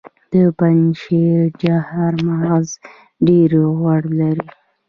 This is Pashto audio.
د پنجشیر چهارمغز ډیر غوړ لري.